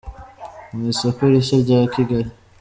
mu isoko rishya rya Kigali.